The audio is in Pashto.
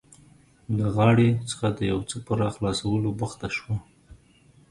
له غاړې څخه د یو څه په راخلاصولو بوخته شوه.